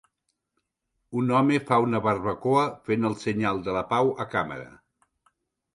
Un home fa una barbacoa fent el senyal de la pau a càmera